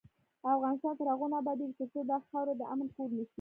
افغانستان تر هغو نه ابادیږي، ترڅو دا خاوره د امن کور نشي.